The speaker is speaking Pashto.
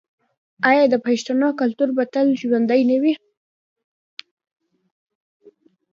آیا د پښتنو کلتور به تل ژوندی نه وي؟